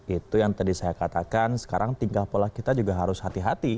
itu yang tadi saya katakan sekarang tingkah pola kita juga harus hati hati